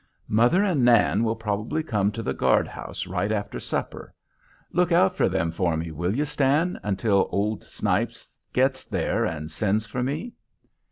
"Mother and Nan will probably come to the guard house right after supper. Look out for them for me, will you, Stan, until old Snipes gets there and sends for me?"